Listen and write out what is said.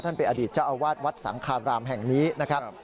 เป็นอดีตเจ้าอาวาสวัดสังคารามแห่งนี้นะครับ